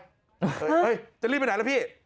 เฮ้ยจะรีบไปไหนล่ะพี่